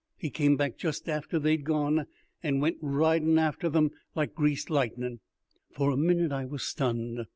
He came back just after they'd gone, and went ridin' efter 'em like greased lightnin'." For a minute I was stunned.